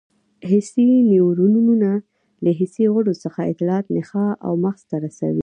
حسي نیورونونه له حسي غړو څخه اطلاعات نخاع او مغز ته رسوي.